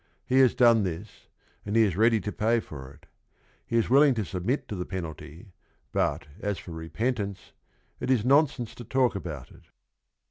He has done this, and he/ is ready to pay for it. He is willing to submit to the penalty, but as for repentance, it is nonsense to talk about it.